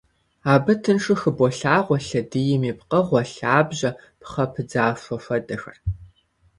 Абы тыншу хыболъагъуэ лъэдийм и пкъыгъуэ, лъабжьэ, пхъэ пыдзахуэ хуэдэхэр.